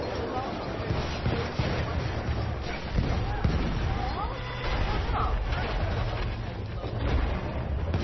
That was all just for kids, wasn't it?" "Well, I don't know," Malone said slowly.